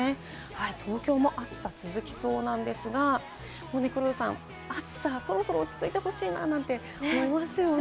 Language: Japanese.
東京も暑さが続きそうなんですが、黒田さん、暑さ、そろそろ落ち着いてほしいなと思いますよね。